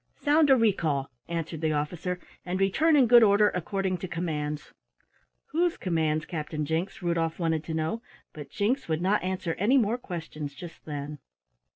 "Sound a recall," answered the officer, "and return in good order according to commands." "Whose commands, Captain Jinks?" Rudolf wanted to know, but Jinks would not answer any more questions just then.